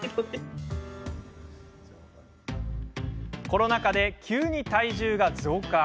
コロナ禍で急に体重が増加。